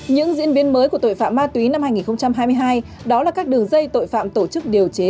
những diễn biến mới của tội phạm ma túy năm hai nghìn hai mươi hai đó là các đường dây tội phạm tổ chức điều chế